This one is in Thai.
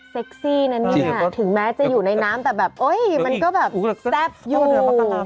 เซ็กซี่นะเนี่ยถึงแม้จะอยู่ในน้ำแต่แบบโอ๊ยมันก็แบบแซ่บอยู่